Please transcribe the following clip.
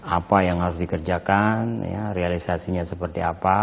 apa yang harus dikerjakan realisasinya seperti apa